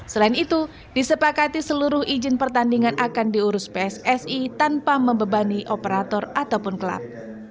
selain itu disepakati seluruh izin pertandingan akan diurus pssi tanpa membebani operator ataupun klub